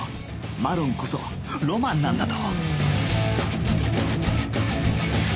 マロンこそロマンなんだと